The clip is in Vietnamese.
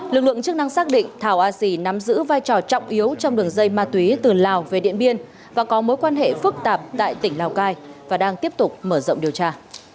lực lượng chức năng xác định thảo a xì nắm giữ vai trò trọng yếu trong đường dây ma túy từ lào về điện biên và có mối quan hệ phức tạp tại tỉnh lào cai và đang tiếp tục mở rộng điều tra